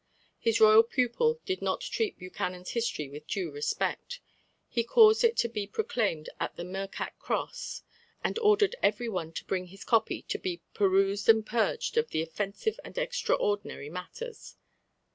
His royal pupil did not treat Buchanan's History with due respect; he caused it to be proclaimed at the Merkat Cross, and ordered every one to bring his copy "to be perused and purged of the offensive and extraordinary matters."